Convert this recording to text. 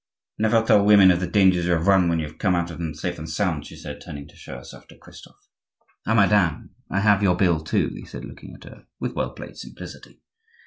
"Never tell women of the dangers you have run when you have come out of them safe and sound," she said, turning to show herself to Christophe. "Ah! madame, I have your bill, too," he said, looking at her with well played simplicity.